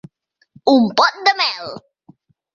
Un pot de mel.